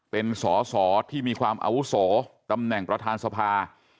เป็นสอสอที่มีความอาวุโสตำแหน่งประธานสภา